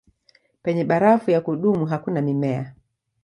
Penye barafu ya kudumu hakuna mimea.